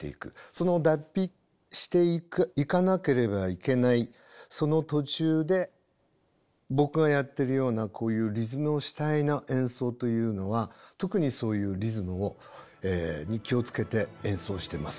その脱皮していかなければいけないその途中で僕がやってるようなこういうリズムを主体の演奏というのは特にそういうリズムに気を付けて演奏してます。